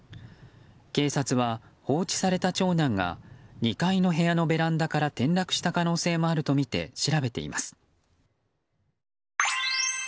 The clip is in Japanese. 警察は放置された長男が２階の部屋のベランダから転落した可能性もあるとみて調べています。